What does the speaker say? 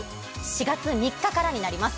４月３日からになります。